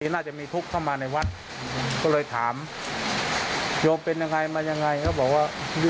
น่าจะมีทุกข์เข้ามาในวัดก็เลยถามโยมเป็นยังไงมายังไงเขาบอกว่า